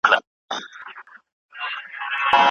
موږ خپله ټولنه ښه پېژندلی سو.